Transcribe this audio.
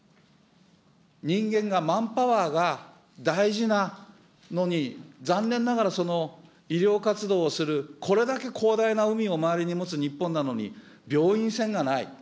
人間が、マンパワーが大事なのに、残念ながらその医療活動をするこれだけ広大な海を周りに持つ日本なのに、病院船がない。